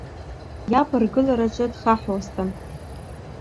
Иаб аргылараҿ дхаҳәуасҭан.